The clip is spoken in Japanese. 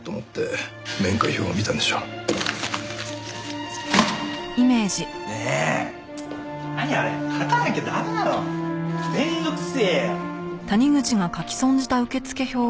面倒くせえよ！